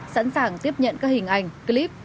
sẵn sàng tiếp nhận các hình ảnh clip